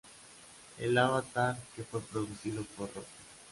El avatar, que fue precedido por Roku.